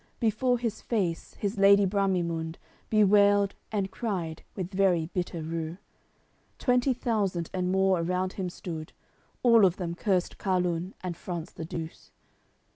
Before his face his lady Bramimunde Bewailed and cried, with very bitter rue; Twenty thousand and more around him stood, All of them cursed Carlun and France the Douce.